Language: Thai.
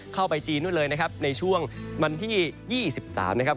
เข้าไปจีนด้วยเลยนะครับในช่วงมันที่๒๓นะครับ